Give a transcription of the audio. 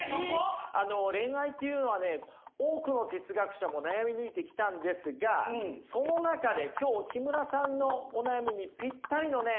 恋愛っていうのはね多くの哲学者も悩み抜いてきたんですがその中で今日木村さんのお悩みにぴったりのね